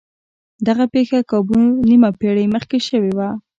دغه پېښه کابو نيمه پېړۍ مخکې شوې وه.